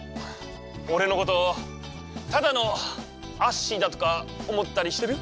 おれのことただのアッシーだとか思ったりしてる？